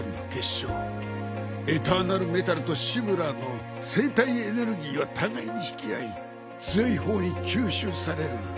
エターナルメタルとシブラーの生体エネルギーは互いに引き合い強い方に吸収される。